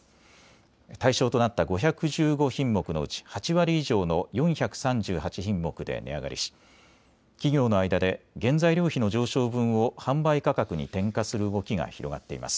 対象となった５１５品目のうち８割以上の４３８品目で値上がりし企業の間で原材料費の上昇分を販売価格に転嫁する動きが広がっています。